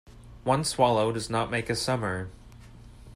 One swallow does not make a summer.